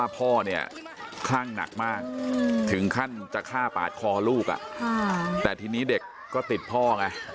พ่อเนี่ยคลั่งหนักมากถึงขั้นจะฆ่าปาดคอลูกแต่ทีนี้เด็กก็ติดพ่อไง